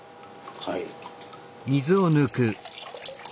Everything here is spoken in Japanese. はい。